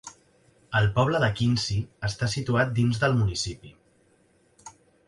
El poble de Quincy està situat dins del municipi.